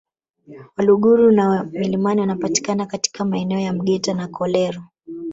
Waluguru wa milimani wanapatikana katika maeneo ya Mgeta na Kolero